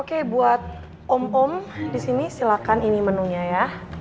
oke buat om om disini silahkan ini menunya ya